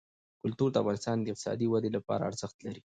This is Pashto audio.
کلتور د افغانستان د اقتصادي ودې لپاره ارزښت لري.